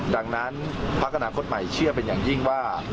ดังนั้นพักอนาคตใหม่เชื่อเป็นอย่างยิ่งว่า